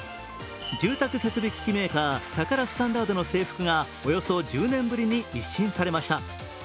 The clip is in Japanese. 住宅設備機器メーカータカラスタンダードの制服がおよそ１０年ぶりに一新されました。